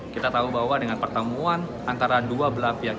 kita tahu bahwa dengan pertemuan antara dua belah pihak